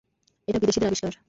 এটা বিদেশিদের আবিষ্কার।